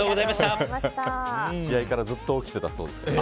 試合からずっと起きていたそうですから。